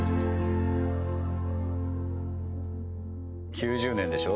９０年でしょ？